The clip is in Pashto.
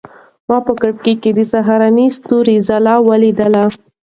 ما په کړکۍ کې د سهارني ستوري ځلا ولیده.